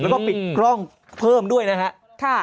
แล้วก็ปิดกล้องเพิ่มด้วยนะครับ